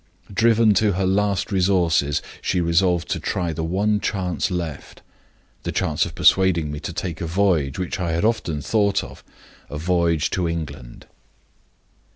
Driven to her last resources, she resolved to try the one chance left the chance of persuading me to take a voyage which I had often thought of a voyage to England.